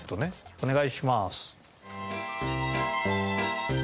お願いします。